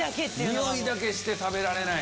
匂いだけして食べられない。